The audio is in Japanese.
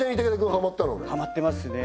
ハマってますね